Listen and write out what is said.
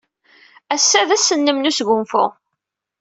Ass-a d ass-nnem n wesgunfu.